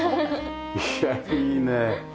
いやいいね。